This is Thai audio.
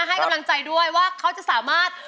ให้กำลังใจด้วยว่าเขาจะสามารถ